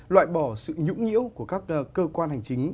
loại bỏ sự nhũng nhiễu của các cơ quan hành chính